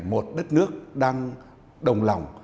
một đất nước đang đồng lòng